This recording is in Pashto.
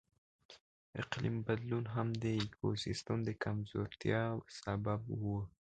اقلیم بدلون هم د ایکوسیستم د کمزورتیا سبب و.